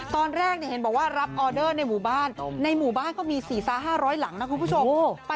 ตอนแรกเนี่ยเห็นบอกว่ารับออเดอร์ในหมู่บ้านในหมู่บ้านก็มีสี่ซ้าห้าร้อยหลังนะคุณผู้ชม